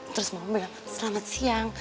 terus mama ya selamat siang